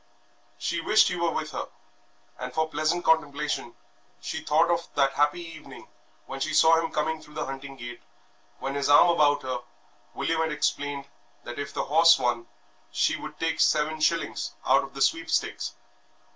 She wished he were with her, and for pleasant contemplation she thought of that happy evening when she saw him coming through the hunting gate, when, his arm about her, William had explained that if the horse won she would take seven shillings out of the sweepstakes.